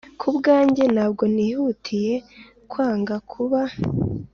Ku bwanjye ntabwo nihutiye kwanga kuba